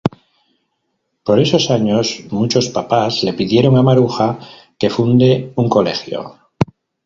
Por esos años, muchos papás le pidieron a Maruja que funde un colegio.